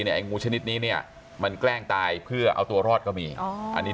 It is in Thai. ไอ้งูชนิดนี้เนี่ยมันแกล้งตายเพื่อเอาตัวรอดก็มีอันนี้